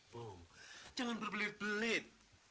bu jangan berbelit belit